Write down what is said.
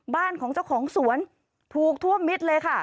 บ้านของเจ้าของสวนถูกทั่วมิตรเลยค่ะ